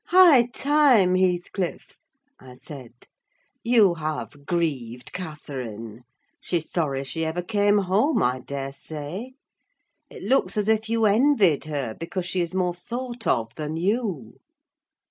"High time, Heathcliff," I said; "you have grieved Catherine: she's sorry she ever came home, I daresay! It looks as if you envied her, because she is more thought of than you."